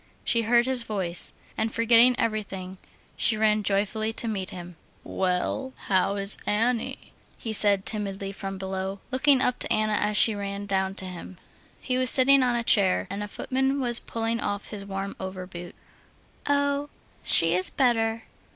She heard his voice. And forgetting everything, she ran joyfully to meet him. "Well, how is Annie?" he said timidly from below, looking up to Anna as she ran down to him. He was sitting on a chair, and a footman was pulling off his warm over boot. "Oh, she is better."